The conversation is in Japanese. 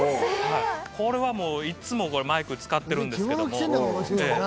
これはもういつもマイク使ってるんですけども。